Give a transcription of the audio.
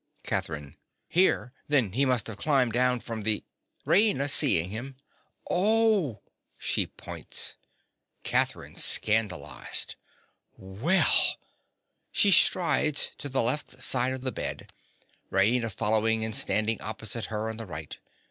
CATHERINE. Here! Then he must have climbed down from the— RAINA. (seeing him). Oh! (She points.) CATHERINE. (scandalized). Well! (_She strides to the left side of the bed, Raina following and standing opposite her on the right.